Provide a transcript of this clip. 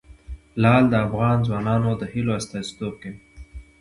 لعل د افغان ځوانانو د هیلو استازیتوب کوي.